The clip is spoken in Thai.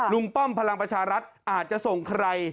ป้อมพลังประชารัฐอาจจะส่งใคร